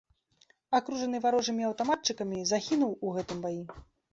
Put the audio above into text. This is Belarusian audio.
Акружаны варожымі аўтаматчыкамі, загінуў у гэтым баі.